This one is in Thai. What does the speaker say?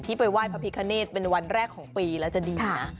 พี่ไปว่ายพระพิกาเนชไปว่ายวันแรกของปีเราจะดีนะ